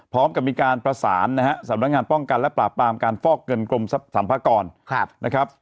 พร้อมกับมีการประสานนะฮะสำนักงานป้องกันและปราบปรามการฟอกเงินกรมสรรพากรนะครับ